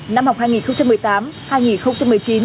năm học hai nghìn một mươi tám hai nghìn hai mươi